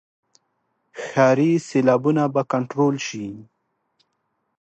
ښاري سیلابونه به کنټرول شي.